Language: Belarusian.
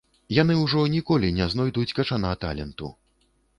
Яны ўжо ніколі не знойдуць качана таленту.